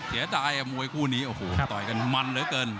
เสียดายมวยคู่นี้โอ้โหต่อยกันมันเหลือเกิน